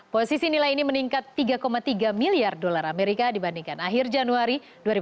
posisi nilai ini meningkat tiga tiga miliar dolar amerika dibandingkan akhir januari dua ribu dua puluh